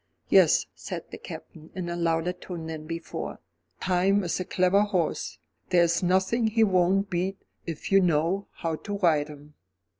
"Yes," said the Captain, in a louder tone than before, "Time is a clever horse. There is nothing he won't beat if you know how to ride him."